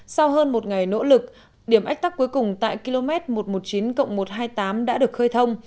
sau hơn một ngày nỗ lực điểm ách tắc cuối cùng tại km một trăm một mươi chín một trăm hai mươi tám đã được khơi thông